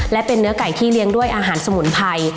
และเป็นเนื้อไก่ที่เลี้ยงด้วยอาหารสมุนไพร